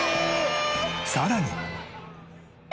さらに。